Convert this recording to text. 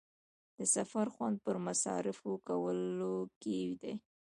د سفر خوند پر مصارفو کولو کې دی.